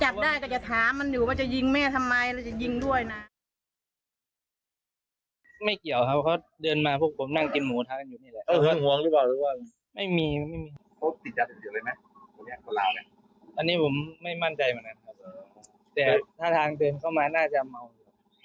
ถัดได้ก็จะถามมันอยู่ว่าจะยิงแม่ทำไมล่ะ๔๐๐๐๑จัดด้านก็จะถามมันอยู่ว่าจะยิงแม่ทำไม